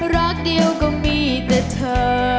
รักเดียวก็มีแต่เธอ